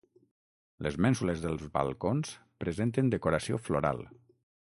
Les mènsules dels balcons presenten decoració floral.